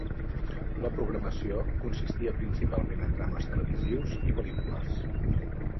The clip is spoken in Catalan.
La programació consistia principalment en drames televisius i pel·lícules.